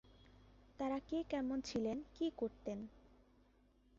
তাঁরা কে কেমন ছিলেন, কী করতেন।